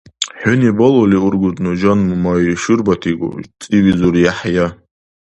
— ХӀуни балули ургудну, жан Мумай, шурбатигу, — цӀивизур ЯхӀъя.